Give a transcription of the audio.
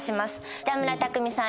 北村匠海さん